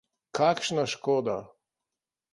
Kakšna škoda!